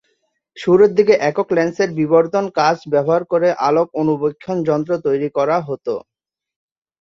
শুরুর দিকে একক লেন্সের বিবর্ধন কাচ ব্যবহার করে আলোক অণুবীক্ষণ যন্ত্র তৈরি করা হত।